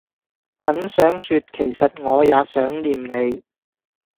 很想說其實我也想念你